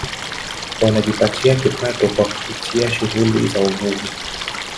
Wanajipatia kipato kwa kupitia shughuli za uvuvi